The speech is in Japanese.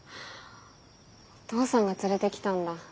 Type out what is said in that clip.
お父さんが連れてきたんだ。